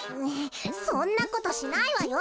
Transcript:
そんなことしないわよ！